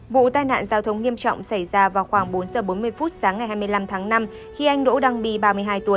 vụ tai nạn giao thông nghiêm trọng xảy ra vào khoảng bốn giờ bốn mươi phút sáng ngày hai mươi năm tháng năm khi anh đỗ đăng bi ba mươi hai tuổi